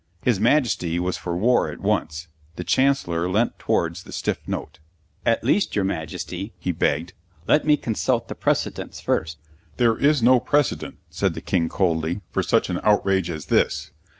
His Majesty was for war at once, the Chancellor leant towards the Stiff Note. "At least, your Majesty," he begged, "let me consult the precedents first." "There is no precedent," said the King coldly, "for such an outrage as this."